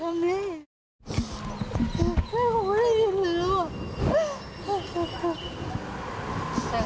แม่คงไม่ได้ยินแล้วอ่ะ